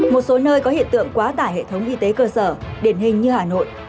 một số nơi có hiện tượng quá tải hệ thống y tế cơ sở điển hình như hà nội